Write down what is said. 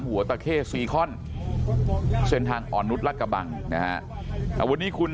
หัวตะเข้สี่ข้อนเชิญทางอ่อนนุษย์รักกะบังนะฮะอ่ะวันนี้คุณ